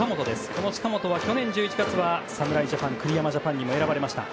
この近本は去年１１月は侍ジャパン、栗山ジャパンにも選ばれました。